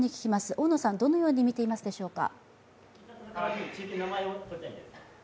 大野さん、どのように見ていますでしょうか？